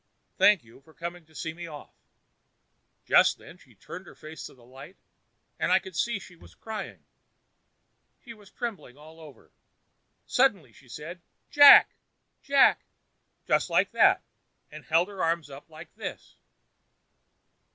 Thank you for coming to see me off.' "Just then she turned her face to the light, and I saw she was crying. She was trembling all over. Suddenly she said, 'Jack! Jack!' just like that, and held up her arms like this."